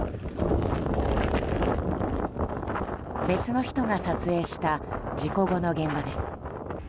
別の人が撮影した事故後の現場です。